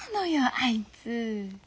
あいつ。